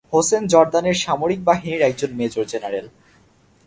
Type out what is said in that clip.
হোসেন জর্দানের সামরিক বাহিনীর একজন মেজর জেনারেল।